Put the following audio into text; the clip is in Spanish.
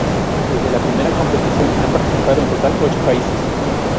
Desde la primera competición, han participado en total ocho países.